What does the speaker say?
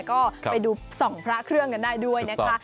ก็ไปดูส่องพระเครื่องกันได้ด้วยนะคะ